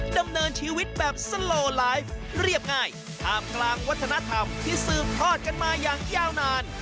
ดำเนินชีวิตแบบสโลไลฟ์เรียบง่ายท่ามกลางวัฒนธรรมที่สืบทอดกันมาอย่างยาวนาน